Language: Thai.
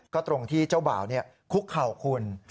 ก็ตรงที่เจ้าบ่าวคุกเข่าคุณ